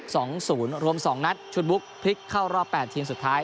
สองศูนย์รวมสองนัดชุดบุ๊กพลิกเข้ารอบแปดทีมสุดท้าย